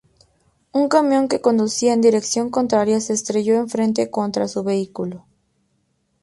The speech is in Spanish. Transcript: Un camión que conducía en dirección contraria se estrelló de frente contra su vehículo.